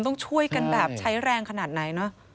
ต้องช่วยกันแบบใช้แรงขนาดไหนเนอะ